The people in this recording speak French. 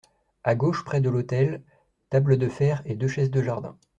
A gauche, près de l’hôtel, table de fer et deux chaises de jardin.